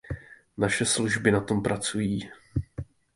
Naše služby na tom pracují.